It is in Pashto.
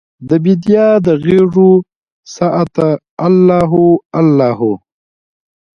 دبیدیا د غیږوسعته الله هو، الله هو